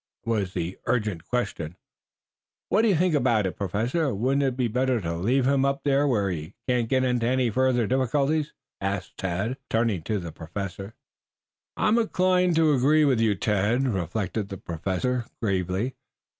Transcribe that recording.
was the urgent question. "What do you think about it, Professor? Wouldn't it be better to leave him up there where he cannot get into any further difficulties?" asked Tad, turning to the Professor. "I am inclined to agree with you, Tad," reflected the Professor gravely.